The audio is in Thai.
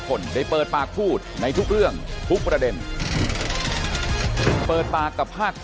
ขอบคุณครับ